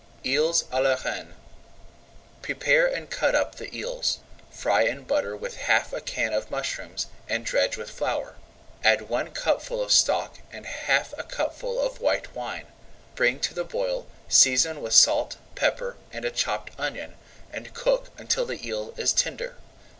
EELS À LA REINE Prepare and cut up the eels. Fry in butter with half a can of mushrooms, and dredge with flour. Add one cupful of stock and half a cupful of white wine. Bring to the boil, season with salt, pepper, and a chopped onion, and cook until the eel is tender.